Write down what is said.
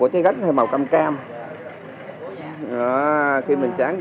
tới nơi tịnh mắt